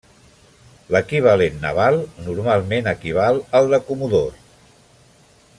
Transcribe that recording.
L'equivalent naval normalment equival al de Comodor.